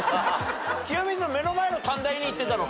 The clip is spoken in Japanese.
清水の目の前の短大に行ってたのか。